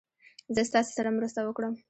زه ستاسې سره مرسته وکړم.